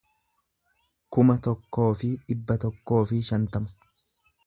kuma tokkoo fi dhibba tokkoo fi shantama